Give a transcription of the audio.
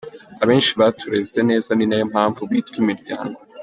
Abenshi batureze neza ni nayo mpamvu bitwa imiryango.